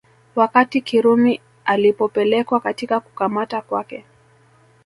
Wakati Kirumi alipopelekwa katika kukamata kwake